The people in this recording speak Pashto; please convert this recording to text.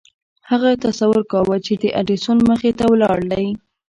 هغه تصور کاوه چې د ايډېسن مخې ته ولاړ دی.